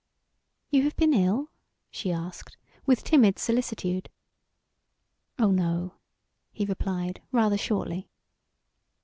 "You have been ill?" she asked, with timid solicitude. "Oh no," he replied, rather shortly.